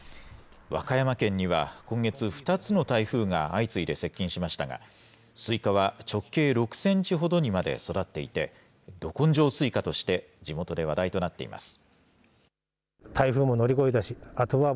和歌山県には今月、２つの台風が相次いで接近しましたが、すいかは直径６センチほどにまで育っていて、ど根性すいかとして地元で話題となっています。